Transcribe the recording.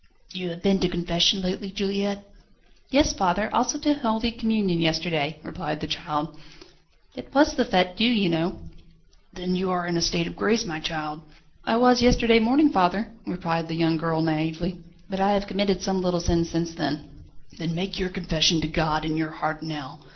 "You have been to confession lately, Juliette?" "Yes, father; also to holy communion, yesterday," replied the child. "It was the Fête Dieu, you know." "Then you are in a state of grace, my child?" "I was yesterday morning, father," replied the young girl naïvely, "but I have committed some little sins since then." "Then make your confession to God in your heart now.